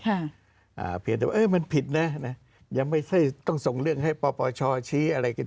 อ่าเพียงแต่ว่าเออมันผิดนะนะยังไม่ใช่ต้องส่งเรื่องให้ปปชชี้อะไรกัน